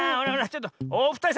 ちょっとおふたりさん